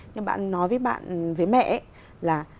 nhưng bạn nói với mẹ ấy là